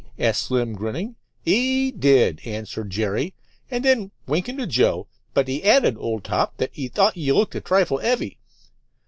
asked Slim, grinning. "'E did," answered Jerry. And then, winking to Joe. "But 'e added, old top, that 'e thought you looked a trifle 'eavy."